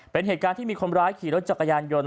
เป็นเหตุการณ์ที่มีคนร้ายขี่รถจักรยานยนต์